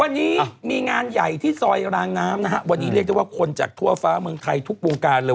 วันนี้มีงานใหญ่ที่ซอยรางน้ำนะฮะวันนี้เรียกได้ว่าคนจากทั่วฟ้าเมืองไทยทุกวงการเลย